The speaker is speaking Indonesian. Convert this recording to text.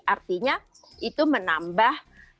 artinya itu menambah energi yang keluar